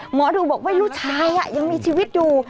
หมอดูบอกว่าลูกชายยังมีชีวิตอยู่